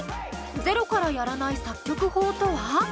ゼロからやらない作曲法とは？